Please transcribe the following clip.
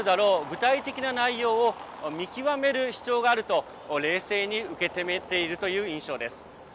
具体的な内容を見極める必要があると冷静に受け止めているという印象です。